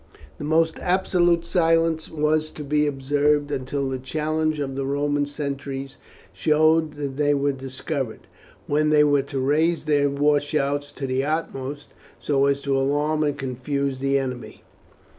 The most absolute silence was to be observed until the challenge of the Roman sentries showed that they were discovered, when they were to raise their war shouts to the utmost so as to alarm and confuse the enemy.